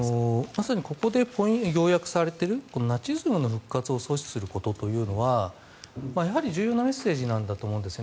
まさにここで要約されているナチズムの復活を阻止するということは重要なメッセージなんだと思うんです。